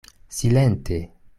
Silente!